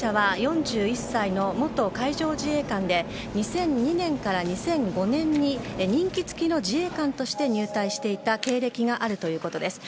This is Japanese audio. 元海上自衛官で２００２年から２００５年に任期付きの自衛官として入隊していた経歴があるということです。